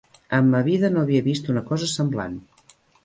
En ma vida no havia vist una cosa semblant.